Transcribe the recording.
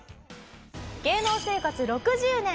芸能生活６０年。